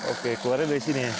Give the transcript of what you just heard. oke keluarnya dari sini